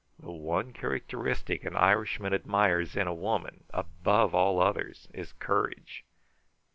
The one characteristic an Irishman admires in a woman, above all others, is courage.